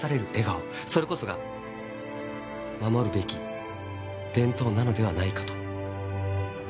それこそが守るべき伝統なのではないかと。